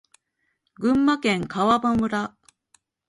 群馬県川場村